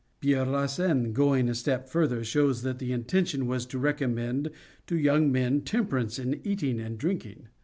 Pierre la Seine, going a step farther, shows that the intention was to recommend to young men temperance in eating and drinking.